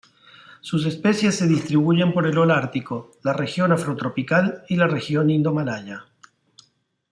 Sus especies se distribuyen por el holártico, la región afrotropical y la región indomalaya.